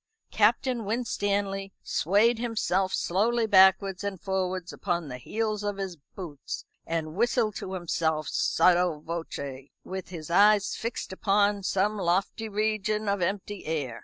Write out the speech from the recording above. Captain Winstanley swayed himself slowly backwards and forwards upon the heels of his boots, and whistled to himself sotto voce, with his eyes fixed upon some lofty region of empty air.